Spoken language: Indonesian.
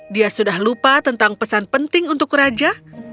dia sudah lupa tentang pesan penting untuk raja